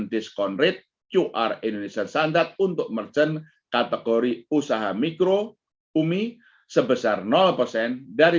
dan diskon rate qr indonesia sandat untuk merjen kategori usaha mikro umi sebesar nol persen dari